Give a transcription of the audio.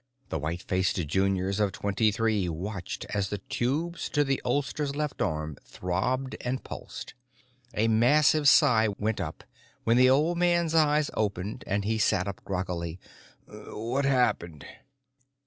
The white faced juniors of Twenty Three watched as the tubes to the oldster's left arm throbbed and pulsed. A massive sigh went up when the old man's eyes opened and he sat up groggily. "What happened?"